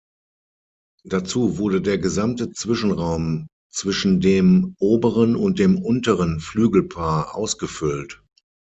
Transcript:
Dazu wurde der gesamte Zwischenraum zwischen dem oberen und dem unteren Flügelpaar ausgefüllt.